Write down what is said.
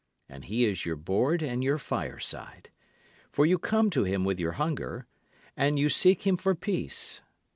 And he is your board and your fireside. For you come to him with your hunger, and you seek him for peace.